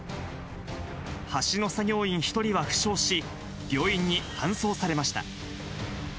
橋の作業員１人は負傷し、病院に搬送されました。